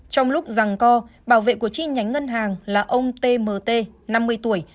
trong lúc ràng co bảo vệ của chi nhánh ngân hàng là ông t m t năm mươi tuổi